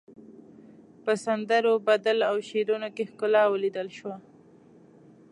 په سندرو، بدلو او شعرونو کې ښکلا وليدل شوه.